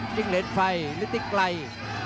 จิ้งเหลนไฟฤทธิไกร